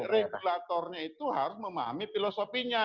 regulatornya itu harus memahami filosofinya